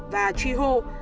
và truy hồ